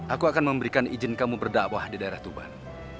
aku akan memberikan izin kamu berdakwah di daerah tuban